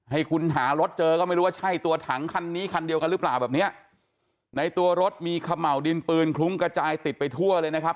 ให้คุณหารถเจอก็ไม่รู้ว่าใช่ตัวถังคันนี้คันเดียวกันหรือเปล่าแบบเนี้ยในตัวรถมีเขม่าวดินปืนคลุ้งกระจายติดไปทั่วเลยนะครับ